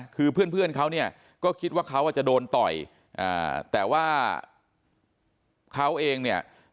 คือเพื่อนเขาเนี่ยก็คิดว่าเขาจะโดนต่อยแต่ว่าเขาเองเนี่ย